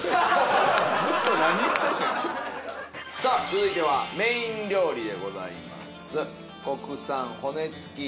続いてはメイン料理でございます